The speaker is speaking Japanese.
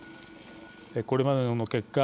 これまでの結果